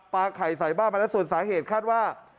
ไข่ใส่บ้านมาแล้วส่วนสาเหตุคาดว่า